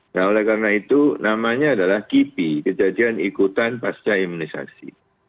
nah oleh karena itu namanya adalah kipi kejadian ikutan pasca imunisasi